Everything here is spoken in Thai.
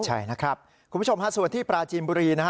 คุณผู้ชมส่วนที่ปราจีนบุรี